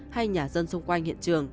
hay nhà dân xung quanh hiện trường